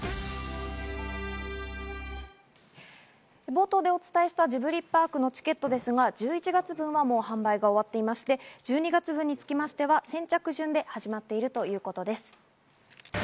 冒頭でお伝えしたジブリパークのチケットですが、１１月分はもう販売が終わっていまして、１２月分につきましては先着順で始まっているということです。